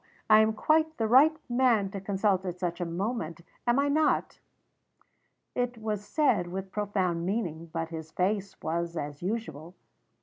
I am quite the right man to consult at such a moment, am I not?" It was said with profound meaning; but his face was as usual.